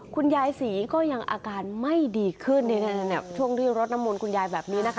คุณยายศรีก็ยังอาการไม่ดีขึ้นช่วงที่รดน้ำมนต์คุณยายแบบนี้นะคะ